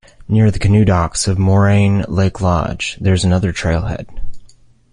Near the canoe docks of Moraine Lake Lodge there is another trailhead.